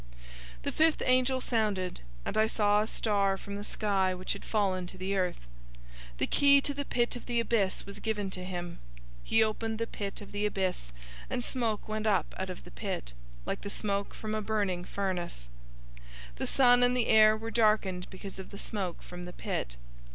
009:001 The fifth angel sounded, and I saw a star from the sky which had fallen to the earth. The key to the pit of the abyss was given to him. 009:002 He opened the pit of the abyss, and smoke went up out of the pit, like the smoke from a{TR adds "great"} burning furnace. The sun and the air were darkened because of the smoke from the pit.